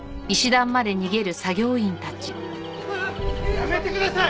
やめてください！